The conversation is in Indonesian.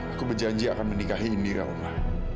aku berjanji akan menikahi indira uma